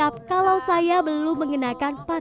paling aja bisa menggoyotkan ya